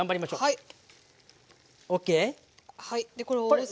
はい。